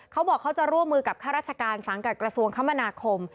เขาบอกเขาจะร่วมมือกับข้าราชการสังกัดกระทรวงคมนาคม